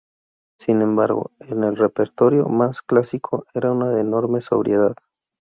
Sin embargo, en el repertorio más clásico era de una enorme sobriedad.